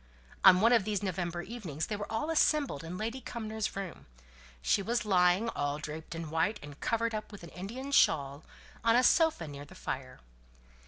On one of these November evenings they were all assembled in Lady Cumnor's room. She was lying, all draped in white, and covered up with an Indian shawl, on a sofa near the fire.